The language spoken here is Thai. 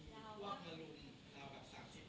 แสดงว่าเขาจะพอแน่นตมัดอย่างเงียบ